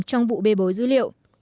trong vụ bê bối dữ liệu